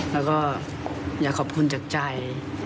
แล้วก็อยากขอบคุณจากใจ